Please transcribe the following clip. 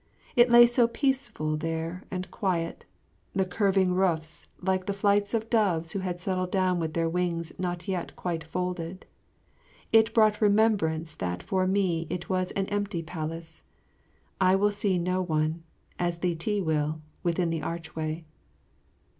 It lay so peaceful there and quiet, the curving roofs like flights of doves who had settled down with their wings not yet quite folded. It brought remembrance that for me it was an empty palace. I will see no one as Li ti will within the archway.